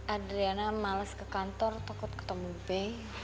adriana males ke kantor takut ketemu b